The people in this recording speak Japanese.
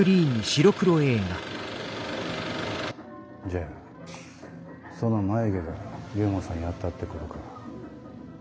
じゃあその眉毛が龍門さんをやったってことか？